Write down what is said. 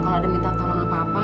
kalau ada minta tolong apa apa